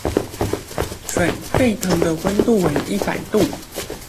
水沸騰的溫度為一百度